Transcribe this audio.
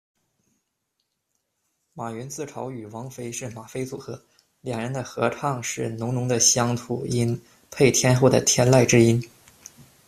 马云自嘲与王菲是“马菲组合”，两人的合唱是“浓浓的乡土音配天后的天籁之音”。